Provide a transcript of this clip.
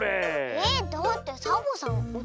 えっだってサボさんおとなでしょ？